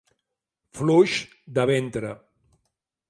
Fluix de ventre.